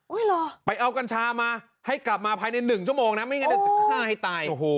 อุ๊ยเหรอไปเอากัญชามาให้กลับมาภายใน๑ชั่วโมงน่ะ